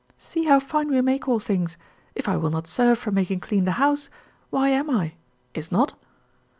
"See how fine we make all things. If I will not serve for making clean the house, why am I? Is not?"